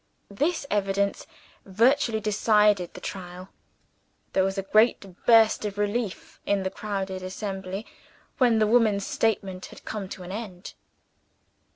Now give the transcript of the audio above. This evidence virtually decided the trial. There was a great burst of relief in the crowded assembly when the woman's statement had come to an end.